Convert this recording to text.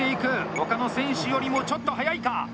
他の選手よりもちょっと早いか？